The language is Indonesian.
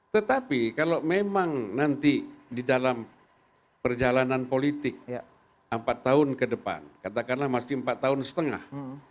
tetapi kalau memang nanti di dalam perjalanan politik empat tahun ke depan katakanlah masih empat tahun setengah